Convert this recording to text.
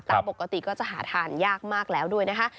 ปกติก็จะหาทานยากมากแล้วด้วยนะคะ